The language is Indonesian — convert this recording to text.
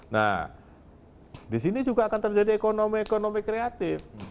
nah di sini juga akan terjadi ekonomi ekonomi kreatif